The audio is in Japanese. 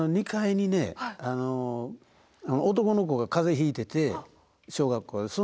２階にね男の子が風邪ひいてて小学校で。